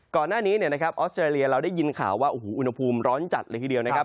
ก่อนหน้านี้ออสเตอร์เรียนเราได้ยินข่าวว่าอุณหภูมิร้อนจัดเลยทีเดียว